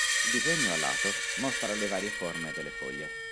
Il disegno a lato mostra le varie forme delle foglie.